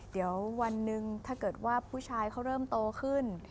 เดี๋ยววันหนึ่งถ้าเกิดว่าผู้ชายเขาเริ่มโตขึ้น